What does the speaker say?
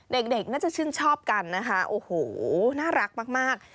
เด็กน่าจะชื่นชอบกันนะคะโอ้โหน่ารักมาก